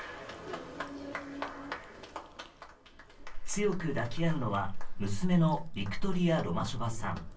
強く抱き合うのは、娘のビクトリア・ロマショバさん。